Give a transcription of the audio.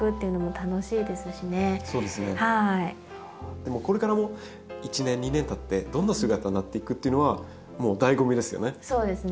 でもこれからも１年２年たってどんな姿になっていくっていうのはもう醍醐味ですよね。